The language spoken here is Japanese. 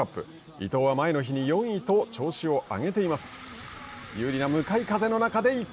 伊藤は前の日に４位と調子を上げています。